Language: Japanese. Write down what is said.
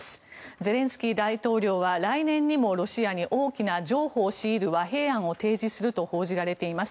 ゼレンスキー大統領は来年にもロシアに大きな譲歩を強いる和平案を提示すると報じられています。